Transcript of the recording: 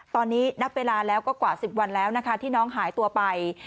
ตอนนี้นับเวลาแล้วก็กว่า๑๐วันแล้วนะคะที่น้องหายตัวไป